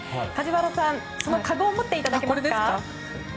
梶原さん、そのかごを持っていただけますか。